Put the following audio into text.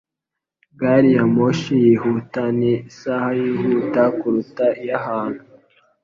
Gari ya moshi yihuta ni isaha yihuta kuruta iy'ahantu.